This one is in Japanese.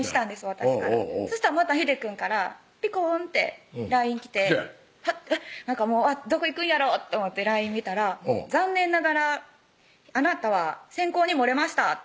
私からそしたらまたひでくんからピコーンってＬＩＮＥ来てあっどこ行くんやろうと思ってＬＩＮＥ見たら「残念ながらあなたは選考に漏れました」